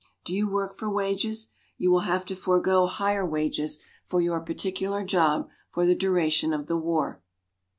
Do you work for wages? You will have to forego higher wages for your particular job for the duration of the war.